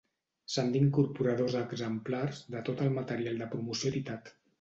S'han d'incorporar dos exemplars de tot el material de promoció editat.